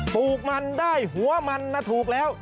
ปลูกมันได้หัวมันถูกแล้ว